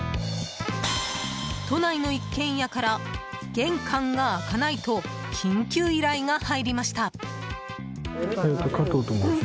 都内の一軒家から玄関が開かないと緊急依頼が入りました。